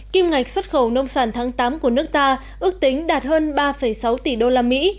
kim ngạch xuất khẩu nông sản tháng tám của nước ta ước tính đạt hơn ba sáu tỷ đô la mỹ